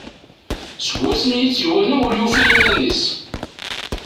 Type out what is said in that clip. Seg wasmi i tt-iwala ur yufi iman-is.